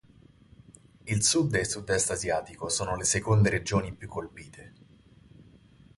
Il Sud e Sud-Est asiatico sono le seconde regioni più colpite.